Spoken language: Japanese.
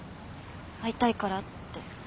会いたいからって。